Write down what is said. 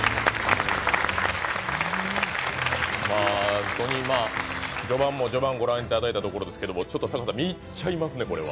本当に序盤も序盤、ご覧いただいたところですけどもちょっと堺さん見入っちゃいますね、これは。